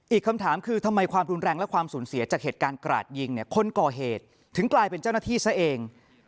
อีกคำถามคือทำไมความรุนแรงและความสูญเสียจากเหตุการณ์กราดยิงเนี่ยคนก่อเหตุถึงกลายเป็นเจ้าหน้าที่ซะเอง